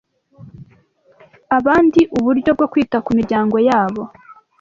abandi uburyo bwo kwita ku miryango yabo.